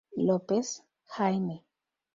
López, Jaime.